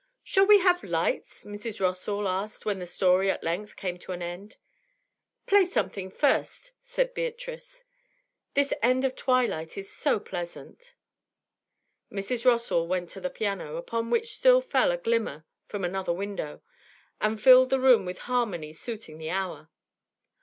'Shall we have lights?' Mrs. Rossall asked, when the story at length came to an end. 'Play us something first,' said Beatrice. 'This end of twilight is so pleasant.' Mrs. Rossall went to the piano, upon which still fell a glimmer from another window, and filled the room with harmony suiting the hour.